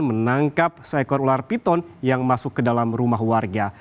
menangkap seekor ular piton yang masuk ke dalam rumah warga